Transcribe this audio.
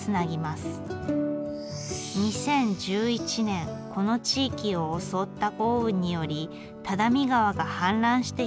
２０１１年この地域を襲った豪雨により只見川が氾濫して被災。